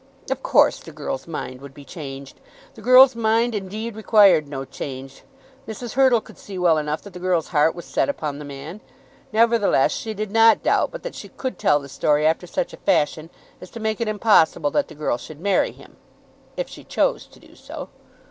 Of course the girl's mind would be changed. The girl's mind, indeed, required no change. Mrs. Hurtle could see well enough that the girl's heart was set upon the man. Nevertheless she did not doubt but that she could tell the story after such a fashion as to make it impossible that the girl should marry him, if she chose to do so.